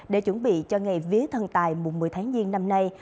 để chuẩn bị cho ngày vía thần tài mùng một mươi tháng giêng năm nay